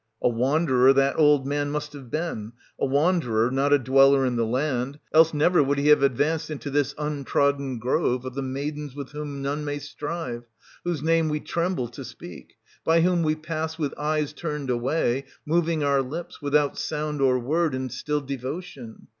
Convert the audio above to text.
A wanderer that old man must have been, — a wan derer, not a dweller in the land ; else rusver would he s. 5 66 SOPHOCLES. [126—166 have advanced into this untrodden grove of the maidens 130 with whom none may strive, whose name we tremble to speak, by whom we pass with eyes turned away, moving our lips, without sound or word, in still devotion.